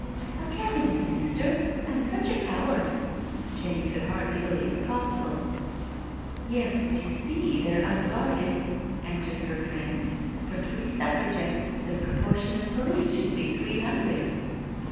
"A Cabinet Minister, and such a coward I" Jenny could hardly believe it possible. " Yes, but you see they're unguarded," answered her friend. " For three Suffragettes the proportion of police should be three hundred."